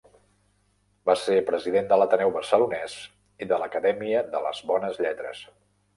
Va ser president de l'Ateneu Barcelonès i de l'Acadèmia de les Bones Lletres.